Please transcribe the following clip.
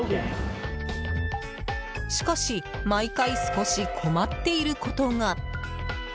しかし、毎回少し困っていることが。